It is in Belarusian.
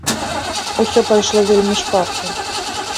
Усё пайшло вельмі шпарка.